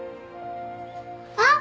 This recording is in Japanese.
あっ！